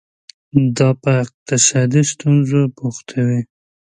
دا په اقتصادي ستونزو بوختوي.